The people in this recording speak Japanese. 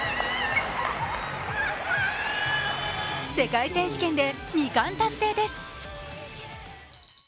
世界選手権で２冠達成です。